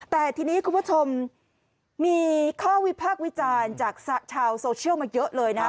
แต่ทีนี้คุณผู้ชมมีข้อวิพากษ์วิจารณ์จากชาวโซเชียลมาเยอะเลยนะ